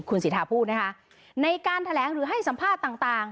คุณสิทธาพูดนะคะในการแถลงหรือให้สัมภาษณ์ต่าง